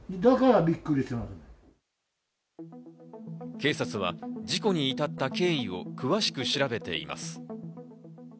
警察は事故に至った経緯を詳しく調べています。